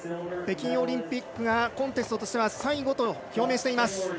北京オリンピックがコンテストとしては最後と表明しています。